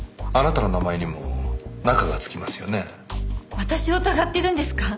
私を疑ってるんですか？